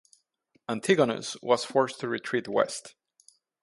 Antigonus was forced to retreat west.